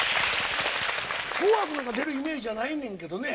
「紅白」なんか出るイメージじゃないねんけどね。